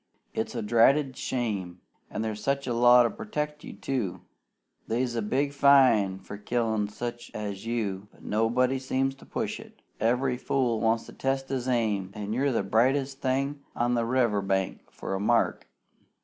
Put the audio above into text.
It's a dratted shame! An' there's law to protect you, too. They's a good big fine for killin' such as you, but nobody seems to push it. Every fool wants to test his aim, an' you're the brightest thing on the river bank for a mark.